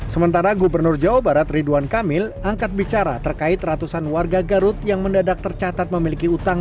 sementara gubernur jawa barat ridwan kamil angkat bicara terkait ratusan warga garut yang mendadak tercatat memiliki utang